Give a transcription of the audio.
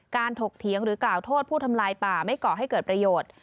ถกเถียงหรือกล่าวโทษผู้ทำลายป่าไม่ก่อให้เกิดประโยชน์